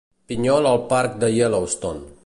Pinyol al parc de Yellowstone.